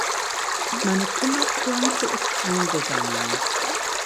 Meine Zimmerpflanze ist eingegangen.